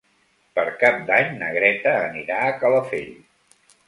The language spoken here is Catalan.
Per Cap d'Any na Greta anirà a Calafell.